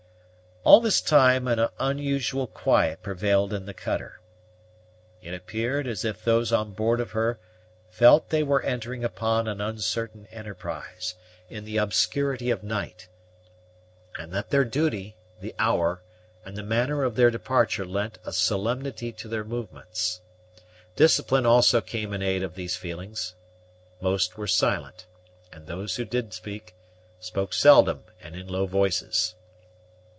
All this time an unusual quiet prevailed in the cutter. It appeared as if those on board of her felt that they were entering upon an uncertain enterprise, in the obscurity of night; and that their duty, the hour, and the manner of their departure lent a solemnity to their movements. Discipline also came in aid of these feelings. Most were silent; and those who did speak spoke seldom and in low voices.